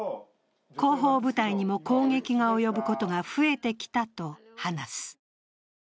後方部隊にも攻撃が及ぶことが増えてきたと話す。